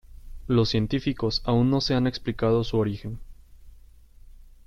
Los científicos aún no se han explicado su origen.